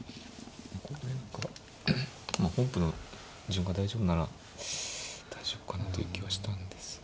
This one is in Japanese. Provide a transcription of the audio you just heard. この変化本譜の順が大丈夫なら大丈夫かなという気はしたんですが。